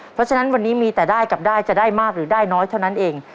เพราะฉะนั้นวันนี้มีแต่ได้กับได้จะได้มากหรือได้น้อยเท่านั้นเอง